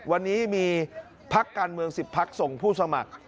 วันนี้มีพักการเมือง๑๐พักส่งผู้สมัคร